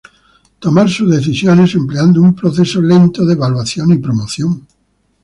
Tomar sus decisiones empleando un proceso lento de evaluación y promoción.